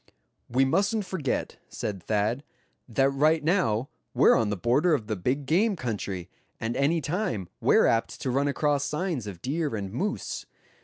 "We mustn't forget," said Thad, "that right now we're on the border of the big game country, and any time we're apt to run across signs of deer and moose.